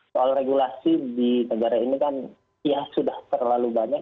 soal regulasi di negara ini kan ya sudah terlalu banyak